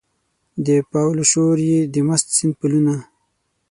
د پاولو شور یې د مست سیند پلونه